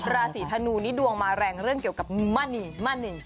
ราศีธนูนี่ดวงมาแรงเรื่องเกี่ยวกับมณีมณี